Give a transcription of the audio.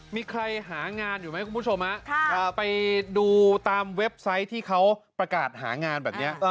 มีใครหางานอยู่ไหมคุณผู้ชมไปดูตามเว็บไซต์ที่เขาประกาศหางานแบบนี้